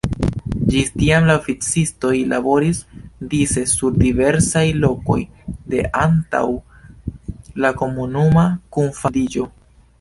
Ĝis tiam la oficistoj laboris dise sur diversaj lokoj de antaŭ la komunuma kunfandiĝo.